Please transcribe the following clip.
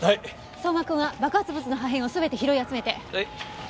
相馬君は爆発物の破片を全て拾い集めて。